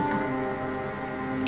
itu baru aneh bu